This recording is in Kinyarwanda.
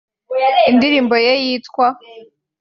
Indirimbo ye yitwa